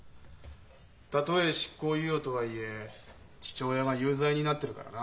たとえ執行猶予とはいえ父親が有罪になってるからな。